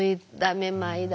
めまいだ